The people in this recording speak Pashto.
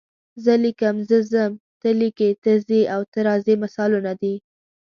زه لیکم، زه ځم، ته لیکې، ته ځې او ته راځې مثالونه دي.